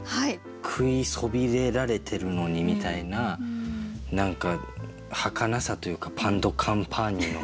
「食いそびれられてるのに！」みたいな何かはかなさというか「パン・ド・カンパーニュ」の。